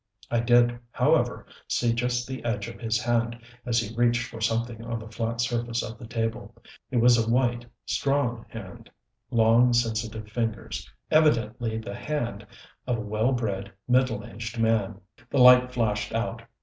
I did, however, see just the edge of his hand as he reached for something on the flat surface of the table. It was a white, strong hand long, sensitive fingers evidently the hand of a well bred, middle aged man. The light flashed out.